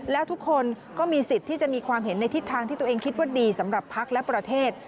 แล้วทุกคนก็มีสิทธิ์ที่จะมีความเห็นในทิศทางที่ตัวเองคิดว่าดีสำหรับภักดิ์และประเทศ